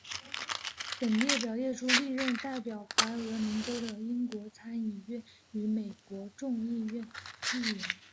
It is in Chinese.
本列表列出历任代表怀俄明州的美国参议院与美国众议院议员。